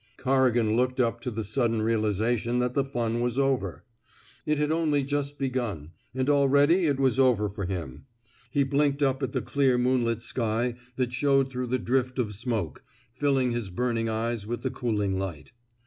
'' Corrigan looked up to the sudden realiza tion that the fun was over. It had only just begun, and already it was over for him. He 163 r THE SMOKE EATEES blinked up at the clear moonlit sky that showed through the drift of smoke, filling his burning eyes with the cooling light.